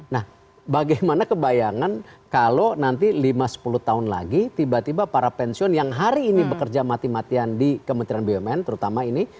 nah bagaimana kebayangan kalau nanti lima sepuluh tahun lagi tiba tiba para pensiun yang hari ini bekerja mati matian di kementerian bumn terutama ini